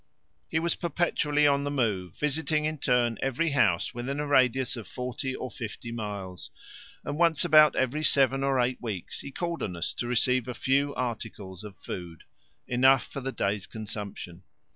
He was perpetually on the move, visiting in turn every house within a radius of forty or fifty miles; and once about every seven or eight weeks he called on us to receive a few articles of food enough for the day's consumption.